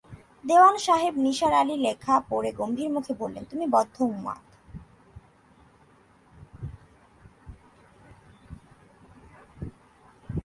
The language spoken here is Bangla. দেওয়ান সাহেব নিসার আলির লেখা পড়ে গম্ভীর মুখে বললেন, তুমি বদ্ধ উন্মাদ।